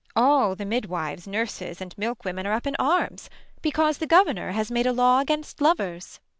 All the midwives, nurses, and milk women Are up in arms, because the governor Has made a law against lovers.